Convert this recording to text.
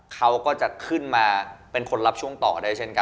เขาก็จะขึ้นมาเป็นคนรับช่วงต่อได้เช่นกัน